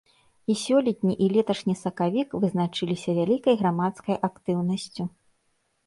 І сёлетні, і леташні сакавік вызначыліся вялікай грамадскай актыўнасцю.